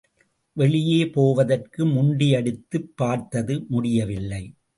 வெளியே போவதற்கு முண்டியடித்துப் பார்த்தது முடியவில்லை.